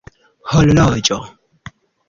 horloĝo